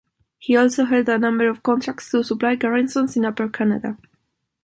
He also held a number of contracts to supply garrisons in Upper Canada.